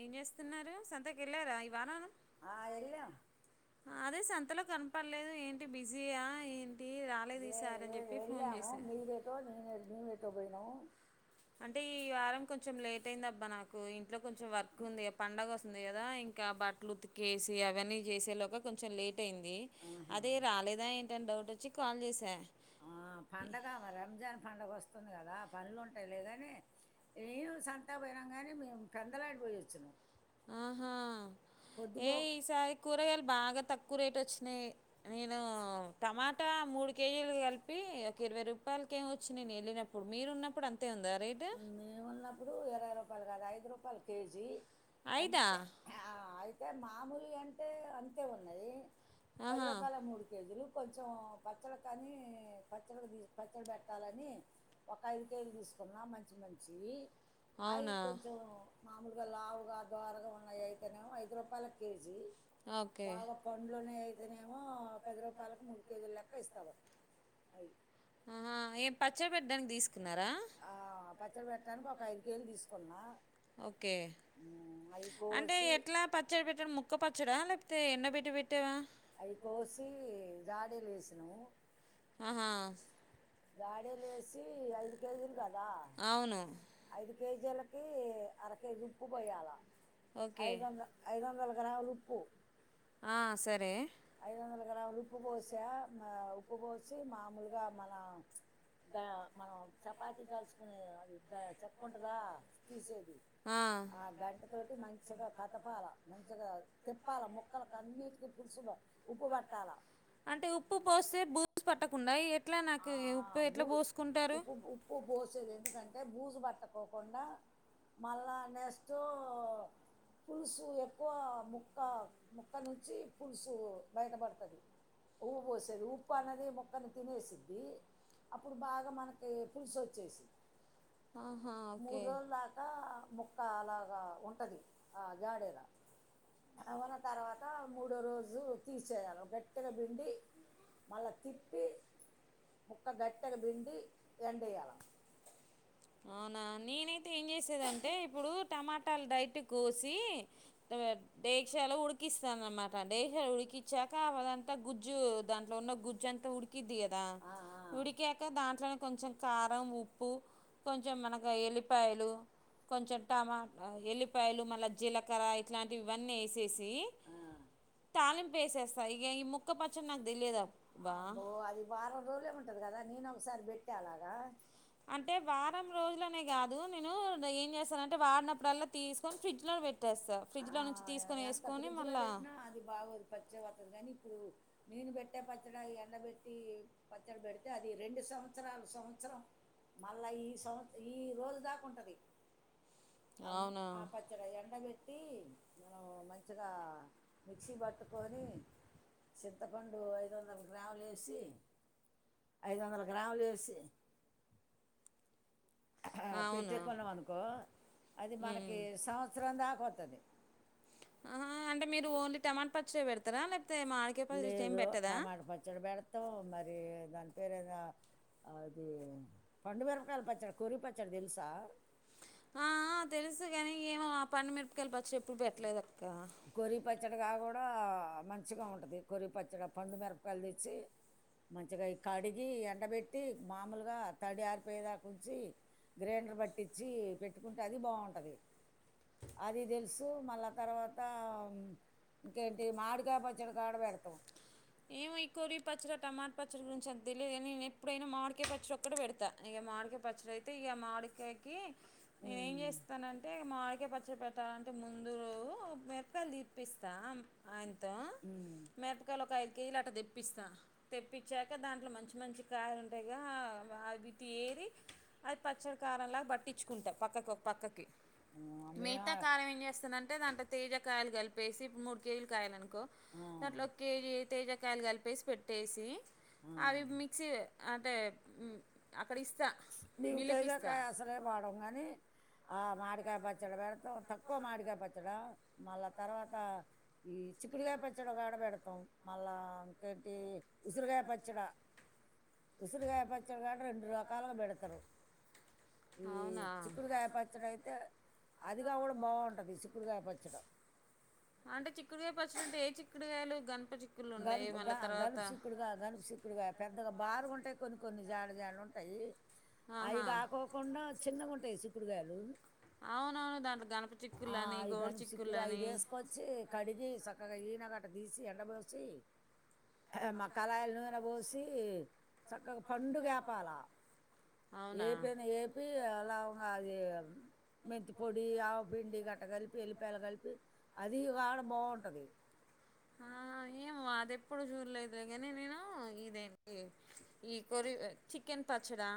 ఏం చేస్తున్నారు సంతే కెల్లారా ఇవాళ ఆ ఎళ్ళా పల్లేదు ఏంటి బిజీయా ఏ లేదు లేదు ఎళ్ళాము మీరేటో నేను ఎట్ మేం ఏ తో బోయినవ్ అంటే ఈ వారం కొంచెం లేట్ అయింది అబ్బా నాకు. ఇంట్లో కొంచెం వర్క్ ఉంది పండగ వస్తుంది కదా, ఇంక బట్టలు ఉతికేసి అవన్నీ చేసేలొగ కొంచెం లేట్ టెంది అదే రాలేదా ఏంటని డౌట్ వచ్చి కాల్ చేస ఆ పండగ ఆ రంజాన్ పండగ వస్తు తుంది కదా పనులు ఉంటాయి లేగానీ, ఈవు సంతక్ పోయినం కానీ మేం కందలాడిపోయోచినం. ఆహా ఏ ఈసారి కూరగాలు బాగా తక్ తక్కువ రేట్ వచ్చినాయి. నేను టమాటా మూడు కేజీలు కలిపి ఒక ఇరవై రూపాలయల్కేమో వచ్చినాయి నేన్ వెళ్ళినప్పుడు. మీరు ఉన్నప్పుడు అంత టె ఉందా రేటు పాలు కాద్ ఐదు రూపాయలు కేజీ అంటె ఆ అయితే మాముల్ కి అంతే అంటే అంతే ఉన్నయి. పది రూపాయల మూడు కేజీలు కొ చు పచ్చళ కనీ పచ్చళ కి తీస్ పచ్చడి పెట్టాలని ఒక ఐదు కేజీలు తీసుకున్న మంచి మంచీ అయి కొంచెం మామూలుగా లావుగా, దోరగా ఉన్నయైతేనేమో ఐదు రూపాయల కేజీ, బాగా పండ్లునే అయితేనేమో పది రూపాయలకు మూడు కేజీల లెక్క ఇస్తడు అయి. దానికి తీసుకున్నారా? పచ్చడి పెట్టటానికి ఒక ఐదు కేజీలు తీసుకున్నా. ఓకే అంటే ఎట్ల పచ్చడి పెట్టడం ముక్క పచ్చడా లేకపో తే ఎండ పెట్టి పెట్టావా? అయి కోసి జాడీలు ఎసినాము ఆహా జాడే లేస్ చీ ఐదు కేజీలు కదా ఐదు కేజీలకి అర కేజీ ఉప్పు పొయ్యాల ఐదొంద ఐదొందల గ్రాములు ఉప్పు ఐదొందల గ్రాముల ఉప్పు పోసా, మ ఉప్పు పోసి మాముూలుగా మన గ మనం చపాతి కాల్చుకునే అది క చెక్కుంటదా తీసెయ్ ఆ గంట తోటి మంచిగా తిప్పాల మంచిగా తిప్పాల ముక్కల అన్నిటికి పులుసు ఉప్పుబట్టాలా అంటే ఉప్పు పోస్తే బూజు పట్టకుండ ఎ ఆ. ఆ. బూజు ఉప్పు ఉప్పు పోసేది ఎందుకంటే బూజు పట్టకోకుండా మళ్ళా నెక్స్ట్ పులుసు ఎక్కువ ముక్కముక్క నుంచి పులుసు బయట పడుతది ఊబొస్తది ఉప్పు అన్నది ముక్కను తినేసుది ఇది అప్పుడు బాగా మనకి పులుసు వచ్చేసిద్ధి మూడు రోజుల దాకా ముక్క అలాగా ఉంటది ఆ జాడేలా ఉన్న తర్వాత మూడో రోజు తీసేయాలి గట్టిగా బిండి మళ్ళ తిప్పీ ముక్క గట్టగ బిండి ఎండెయాాల నేనైతే ఏం చేసేదంటే ఇప్పుడు టమాటాలు డైట్ టు కోసి డెక్ష లో ఉడికిస్తాన అన్నమాట డెక్ష ఉడికిచ్ఛాక అదంతా గుజ్జు దాంట్లో ఉన్న గుజ్జూ అంతా ఉడి ఇది కదా ఉడికేక దాంట్లో కొంచెం కా ఉప్పు కొంచె మనకు ఎల్లిపాయలు కొంచెం టమాట ఎల్లిపాయలు మళ్ళీ జీలకర్ర ఇట్లాంటివి వన్నీ వేసేసి తాలింపు వేసేస్తా ఇక ఈ ముక్కపచ్చడి అబ్బో అది వారం రోజులే ఉంటది కదా నేను ఒకసారి పెట్ అలాగా అంటే వారం రోజులనే కాదు నేను ఏం చేస్తానంటే వాడినప్పుడల్లా తీసుకొని ఫ్రిడ్జ్ లో పెట్టేస్తా ఫ్రిడ్జ్ లో నుంచి తీసుకొని వేసుకొని మళ్ళా నేను పెట్టే పచ్చడా ఎండబట్టి ఎడ పెడితే అది రెండు సంవత్సరాలు సంవత్సరం మళ్ళా ఈ సంవత్ ఈ రోజు దాకా ఉంటుంది మ్ ఆ పచ్చడ మంచిగా మిక్సీ పట్టుకొని చింతపండు ఐదు వందల గ్రాములు వేసి ఐదు వందల గ్రాములు వేసి పెట్ేకున్నాం అనుకో అది మనకి సంవత్సరం దాక వత్తది మీరు ఓన్లీ టమాటో పచ్చ పెడారా లేదు టమాటా పచ్చడి పెడతా మరి దాని పేరద ఇది పండుమిరపకాయల పచ్చడి డ కొరి పచ్చడి తేలుసా ఆ తెలుసు కాని ఏమో ఆ పండుమిరపకాయల పచ్చడి కొరి పచ్చడిగా కూడా మంచి మంచిగా ఉంటుంది కొరిపచ్చడి పండు మిరపకాయలు తెచ్చి మంచిగా కడిగి ఎండబెట్టి మామూలుగా తడి ఆరి పోయేదాకుంచి గ్రైండర్ పట్టిచ్చి పెట్టుకుంటే అది బాగుంటది అది దెల్స్ మళ్ళా తర్వాత ఇంకేంటి మాడికాయ పచ్చడి గాడ పెడతాం టమాట్ పచ్చడి గురించి అంత్ తెలీదు గాని ఎప్పుడైనా మాడికాయ్ పచ్చడి ఒక్కటే పెడతా ఇక మాడికే పచ్చడైతే మాడికేకి నేనేం చేస్తానంటే మాడికాయ్ ప పచ్చడి పెట్టాలంటే ముందురు మెక్కలు తిప్పిస్తాం మిరపకాయ లొకైదు కేలట తెప్పిస్తా తెప్పిచాక దాంట్లో మంచి మంచి కాయలుంటాయిగా అవి తేరి అది పచ్చడి కారంలాగ్ పట్టించుకుంటా పక్కకు పక్కకి మిగతా కారం ఏం చేస్తనంటే దాంతో తేజ కాయలు కలిపేసి మూడు కేజీలు కాయలనుకో దాంట్లో ఒక కేజీ తేజాకాయలు కలిపేసి పెట్టేసి అవి మిక్సీ అదే కడిస్త నీం కేజకాయ అసలే వాడం గానీ ఆ మాడికాయ పచ్చడ పెడతాం, తక్కువ మాడికాయ పచ్చడ మళ్ళా తర్వాత ఈ చిక్కుడుకాయ పచ్చడ గూడ పెడతాం, మళ్ళా ఇంకేంటి ఉసిరిగాయ పచ్చడ ఉసిరిగాయ పచ్చడ గాడ రెండు రకాలు కలబెడతరు ఈ చిక్కుడుగాయ పచ్చడైతే అదిగా గూడా బాగుంటది ఈ చిక్కుడుగాయ పచ్చడ పస్తునట్టు ఏ చిక్కుడుగాయలు గన్ గలుపు గా గలుపు సిక్కుడుగా గలుపు సిక్కుడుగా పెద్దగా బారుగుంటాయి కొన్ని కొన్ని జాడ్ గ్యాల్లుంటాయి అవి కాకోకుండా చిన్న గుండ్ సిక్కుడు గాయలు అవునవును దాంట్లో గణప్ చిక్కులని గోడు చిక్కులని కడిగి సక్కగా ఈయనకట్ట తీసి ఎండ బోస్ చి మక్కాలాయల నూనె పోసి చక్కగ పండుగేపాలా ఏపైన ఏపి లవంగా అది మెంతిపొడి, ఆవపిండి గట్ట గలిపి ఎల్లిపాయల కలిపి అది వాడ బావుంటది ఆ ఏ అదెప్పుడు జూడ్లేదులే గని నేను ఇదేంటి ఈ కొరివి చికెన్ పచ్చడా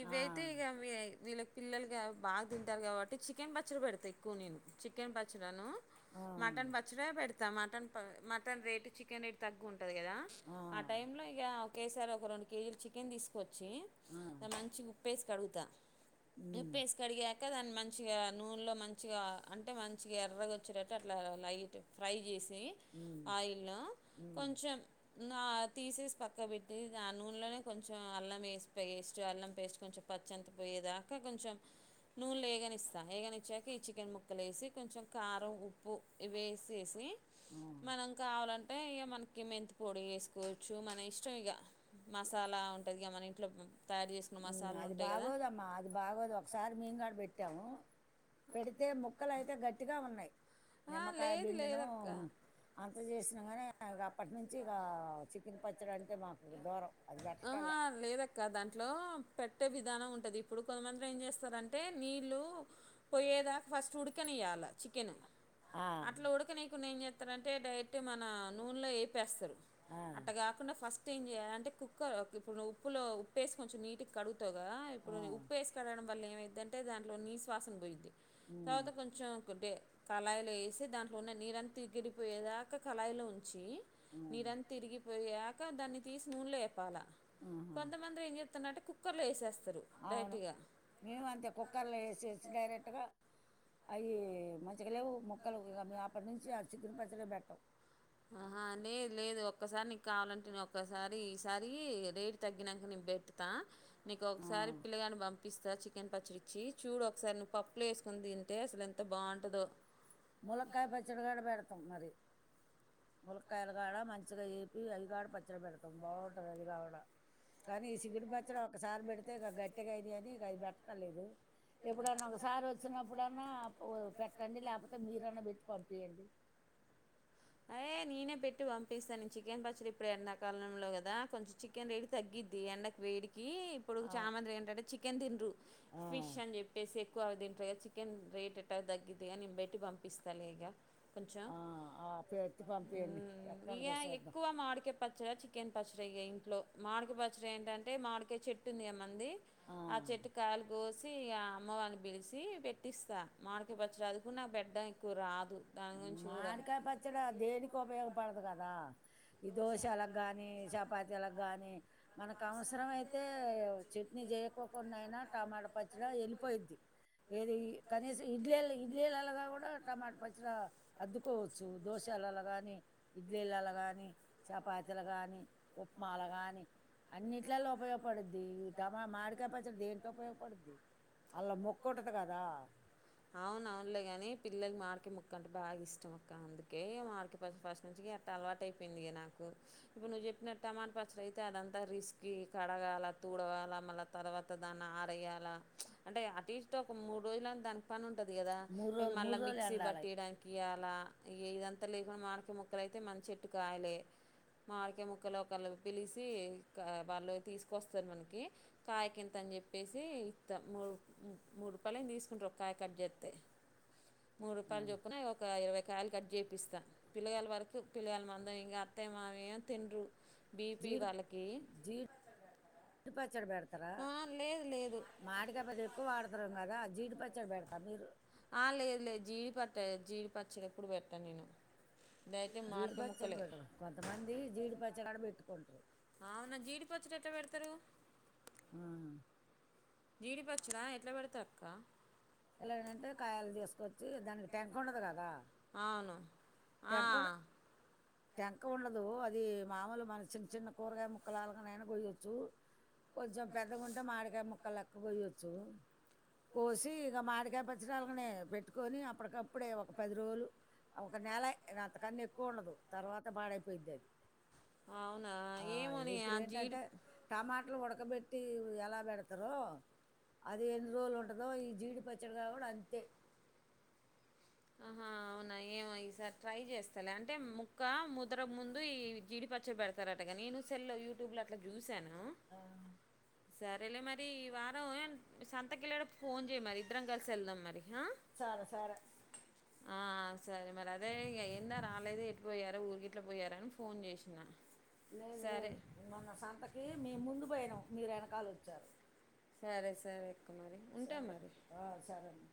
ఇవైతే ఇగ మీయై వీళ్ళక్ పిల్లల్కి అవి బాగ్ దింటారు కాబట్టి చికెన్ పచ్చడి పెడతా ఎక్కువ నేను చికెన్ పచ్చడను మటన్ పచ్చడ పెడిత్ టమాటన్ మటన్ రేటు చికెనేటు తగ్గున్ టది కదా ఆ టైం లో ఇగా ఒకేసారి ఒక రొండు కేజీలు చికెన్ తీసుకో చ్చి మంచి ఉప్పేసి కడుగు త ఇప్పేసి కడిగాక దాన మన్ మంచిగా నూనెలో మంచిగా అంటే మంచిగా ఎర్రగా వచ్చేటట్టు అట్లా లైట్ ఫ్రై జేసి ఆయిల్లొ కొంచం నా ఆ తీసేసి పక్క పెట్టి ఆ నూనెలోనే కొంచం అల్లం వేసి పేస్ట్ అల్లం పేస్ట్ కొంచం పచ్చంత పోయేదాకా కొంచం నూనెలో ఏగనిస్తా ఏగనిచ్చాక ఈ చికెన్ ముక్కలు వేసి కొంచం కారం ఉప్పు ఇవి ఏసేసి మనం కావాలంటే ఇగ మనకి మెంత్ పోడి వేసుకోవచ్చు మన ఇష్టం ఇగ మా హ్మ్ అది బాగోదమ్మా అది బాగోదు ఒకసారి మీమ్ గాడ పెట్టాము పెడితే ముక్కలైతే గట్టిగా ఉన్నాయ్ నిమ్మకాయ బిండినం అంత చేసిన గాని అగ అప్పటి నుంచి ఇగ చికెన్ పచ్చడి అంటే మాకు దూరం ఆహా లేదక్క దాంట్లో పెట్టే విధానం ఉంటుంది ఇప్పుడు కొంతమందిలు ఏం చేస్తారంటే నీళ్ళు పోయేదా ఫస్ట్ ఉడకనియాల చికెను అట్లా ఉడకనీకుండా ఏం జే తరంటే డైట్ మన నూనెలో వేపేస్తారు అట్ట గాకుండా ఫస్ట్ ఏం చేయాల కుక్కర్ ఇప్పుడు ఉప్పులో ఉప్పుేసి కొంచెం నీటి కడు టొ గా ఇప్పుడు ఉప్పు వేసి కడగడం వల్ల ఏమై దంటే దాంట్లో నీస్ వాసన పోయుద్ది తర్వాత కొంచం కో డే కళాయిలో ఏసి దాంట్లో ఉన్న నీరంతా ఇగిరిపోయేదాకా కళాయిలు ఉ చ్చి నీరంత ఇరిగిపోయే ఆ కా దాన్ని తీసి నూన్లో పాల కొంతమంద్రి ఏం జేత్తన్నంటే కుక్కర్లో వేసేస్ అవును మేము అంతే కుక్కర్లో వేసేసి డైరెట్గా అయి మంచిగా లేవు మొక్కలు ఇ అప్పటి నుంచి ఆ చికెన్ పచ్చడే పెట్టం ఆహా లేదు లేదు ఒక్కసారి నీకు కావాలంటే నే ఒక్కసారి ఈసారి రేటు తగ్గినంక నేను పెడతా నీకు ఒకసారి పిల్లగాని పంపిస్తా చి చికెన్ పచ్చడిచ్చి చూడు ఒకసారి నువ్వు పప్పులు వేసుకుని తింటే అసలు ఎంత బాగుంటందో ములక్కాయ పచ్చడికాడ పెడతాం మరి ములక్కయలగాడ మంచిగా చేపి అదిగాడ పచ్చడి పెడతాం బాగుంటుంది అదిగాడ కానీ ఈ సిగుడి పచ్చడి ఒకసారి పెడితే ఇక గట్టిగా అది అని ఇక అది పెట్టడం లేదు ఎప్పుడన్నా ఒకసారి వచ్చినప్పుడన్నా ఉ పెట్ట రె లాభ మీరాన్న పెట్టి పంపయండి అయే నేనే పెట్టి పంపిస్తాను నేను చికెన్ పచ్చడి ఇప్పుడు ఎండాకాలంలో కదా కొంచెం చికెన్ రెడి తగ్గిద్ది ఎండడాకు వేడికి ఇప్పుడు చామందిరి ఏంటంటే చికెన్ తిండ్రు ఫిష్ అని చెప్పేసి ఎక్కువ తి అే చికెన్ రేట్ తగ్గదయ నిం భేట్టి పంపిస్తా ఈక పంచా పాప ఎతి పంపిీ ఎట్టడు దసం ఎద్దా పచ్చయ ఇంట్లో మాడిక పచ్చరి ఏంటంటే మాడిక చెట్టు ఉంది అమ్ మంది ఆ చెట్టు కాయలు కోసి ఆ అమ్మ వా పిలిచి పెట్టిస్తా మాడకి పచ్చడి అదుకు కూడా పెదానికి రాదు దాని గురించి కూడా అక్కడ దేనికి ఉపయోగపడదు కదా ఈ దోషాల కు గానీ చపాతీల కానీ మనకు అవసరం అయితే చట్నీ చేయకోకుండా అయినా టమాట పచ్చడి వెళ్ళిపోయిద్ది ఏది కనీసం ఇడ్లీలు ఇడ్లీలలాగా కూడా టమాట పచ్చ అద్దుకోవచ్చు దోశలలో కానీ ఇడ్లీలలో కానీ చపాతీల కాని ఉప్మాలు కాని అన్నిటిలలో ఉపయోగపడుద్ది ఈ మామిడికాయ పచ్చడి దేంట్లో ఉపయోగపడుద్ది అల్లం ముక్కంటుంది కదా అవును అవునులే గాని పిల్లలకి మావిడికాయ ముక్క అంటే బాగా ఇష్టం అక్క అందుకే మావిడి కాయ పచ్చ్ ఫస్ట్ నుంచి అట్ట అలవాటు అయిపోయింది నాకు ఇప్పుడు నువ్వు చెప్పిన టమాట పచ్చడి అయితే అదంతా రిస్కి కడగాల తూడవాలా మళ్ళ తర్వాత దాన్ని ఆరేయాల అంటే అట్స్టి ఒక మూడు రోజుల దానికి పను ఉంటుంది కదా మళ్ళీ మిక్సీ పట్టియడానికి అలా ఇదంతా లేకుండా మామిడికాయ ముక్కలుయితే మన చెట్టు కాయలే మామిడికాయ ముక్కలు ఒకళ్ళు పిలిచి వాళ్ళు తీసుకొస్తారు మనకి కాయకింత అని చెప్పేసి ఇస్తా మూడు మూడు రూపాయలు ఏమొ తీసుకుంటారు కాయ కట్జత్తే మూడు రూపాయలు చొప్పున ఒక ఇరవై కాయలు కట్ చే పిస్తా పిల్లగల వరకు పిల్లగాల మందం ఇంక అత్తయ మామయ్య తినరు బీపి వాళ్ళకి చె పెడతార మామిడికాయ పచ్చడి ఎక్కువ వాడతున్నం కదా జీడి పచ్చడి పెడతా మీరు ఆ లేదు లేదు జీడి పట్ట జీడి పచ్చేడెప్పుడు పెట్టల నేను జీడిపచ్చడి పెడదం కొంతమంది జీడి పచ్చడి లాగా పెట్టుకుంటారు. తరు ఆ జీడిపచ్చడా ఎట్లా పెడతా అక్క ఎలాంటంటే కాయలు తీసుకొచ్చి దానికి టెంక ఉండదు కదా అవును ఆ టెంక ఉండదు అది మామూలు మన చిన్న చిన్న కూరగాయ ముక్కలలాగానైనా కొయ్యొచ్చు కొంచెం పెద్దగా ఉంటే మాడికాయ ముక్కలు లెక్క కొయొచ్చు కోసి ఇంకా మాడికాయ పచ్చడిలగానే పెట్టుకొని అప్పటికప్పుడే ఒక పది రోజులు ఒక నెలె ఇంక అంతకన్నా ఎక్కువ ఉండదు తర్వాత పాడైపోయిద్ధి అది ఆ ఇప్పుడు ఏంటంటే టమా ఉడకబెట్టి ఎలా పెడతారో అది ఎన్ని రోజులు ఉంటదొ ఈ జీడి పచ్చడీగా కూడా అంతే ఆహా అవునా ఏమో ఇసారి ట్రై చేస్తాలె అంటే ముక్క ముదర ముందు ఈ జీడి పచ్చడి పెడతారు అటగా నేను సెల్ లో యూట్యూబ్లో లో అట్లా చూస్ సాను సరే లే మరి ఈ వారం సం త కెలేడప్పుడు ఫోన్ చేయి మరి ఇద్దరం కలిసి వెళ్దాం మరి ఆ ఆ సరే మరి అదే ఇగ ఏంద రాలేదు ఎటు పోయారా ఊరికిట్లా పోయారా అని ఫోన్ చేసిన లేదు లేదు మొన్న సంతకి మేము ముందు పోయినాం మీరు వెనకాల వచ్చారు సరే అ సరే మ